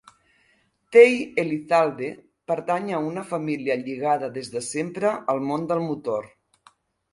Tei Elizalde pertany a una família lligada des de sempre al món del motor.